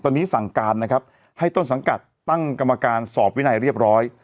ตอนนี้สั่งการนะครับให้ต้นสังกัดตั้งกรรมการสอบวินัยเรียบร้อย